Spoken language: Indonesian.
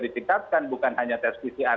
ditingkatkan bukan hanya tes pcr